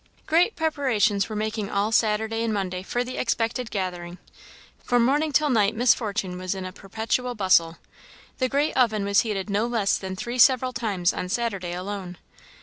Great preparations were making all Saturday and Monday for the expected gathering. From morning till night Miss Fortune was in a perpetual bustle. The great oven was heated no less than three several times on Saturday alone.